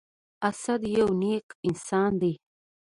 اسد يو نیک انسان دی.